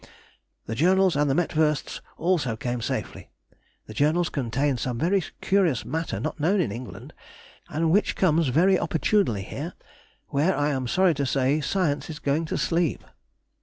The Journals and the mettwursts also came safely; the Journals contain some very curious matter not known in England, and which comes very opportunely here, where, I am sorry to say, science is going to sleep.